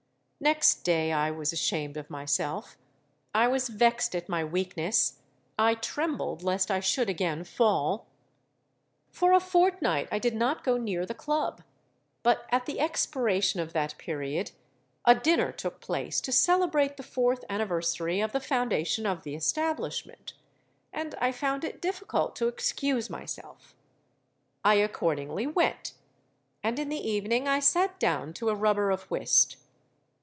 Next day I was ashamed of myself—I was vexed at my weakness—I trembled lest I should again fall. For a fortnight I did not go near the Club: but at the expiration of that period, a dinner took place to celebrate the fourth anniversary of the foundation of the establishment, and I found it difficult to excuse myself. I accordingly went; and in the evening I sate down to a rubber of whist.